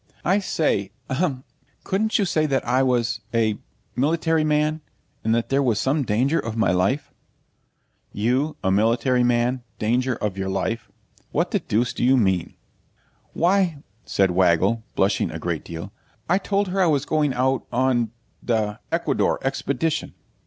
'I say ahem couldn't you say that I was a military man, and that there was some danger of my life?' 'You a military man? danger of your life? What the deuce do you mean?' 'Why,' said Wiggle, blushing a great deal, 'I told her I was going out on the Ecuador expedition.'